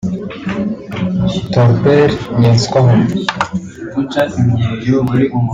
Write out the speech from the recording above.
Tolbert Nyenswah